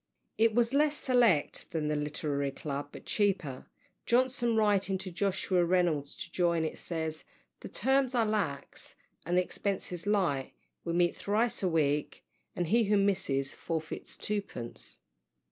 It was less select than the Literary Club, but cheaper. Johnson, writing to Sir Joshua Reynolds to join it, says, "the terms are lax and the expences light we meet thrice a week, and he who misses forfeits twopence."